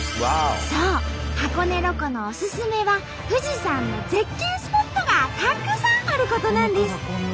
箱根ロコのオススメは富士山の絶景スポットがたくさんあることなんです！